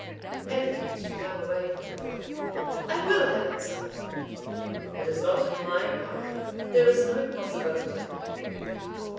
At length she flung away from him, with "I will have it so." "It is not in my power there is no possibility of it.